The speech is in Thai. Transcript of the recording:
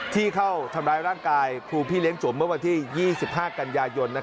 ที่เข้าทำร้ายร่างกายครูพี่เลี้ยงจ๋มเมื่อวันที่๒๕กันยายน